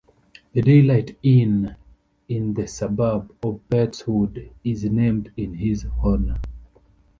The Daylight Inn in the suburb of Petts Wood is named in his honour.